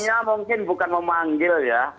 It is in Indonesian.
ya mungkin bukan memanggil ya